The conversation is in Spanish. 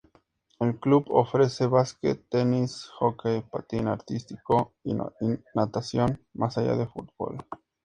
El club ofrece básquet, tenis, hockey, patín artístico y natación, más allá de fútbol.